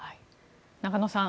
中野さん